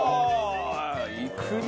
いくね！